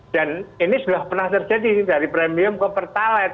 dan ini sudah pernah terjadi dari premium ke pertalite